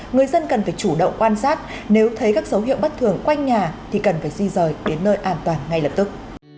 người dân cần phải chủ động quan sát nếu thấy các dấu hiệu bất thường quanh nhà thì cần phải di rời đến nơi an toàn ngay lập tức